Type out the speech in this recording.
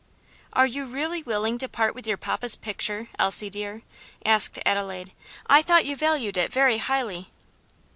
"Are you really willing to part with your papa's picture, Elsie, dear?" asked Adelaide. "I thought you valued it very highly."